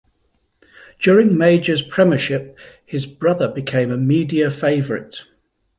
During Major's premiership his brother became a media favourite.